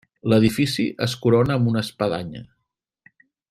L'edifici es corona amb una espadanya.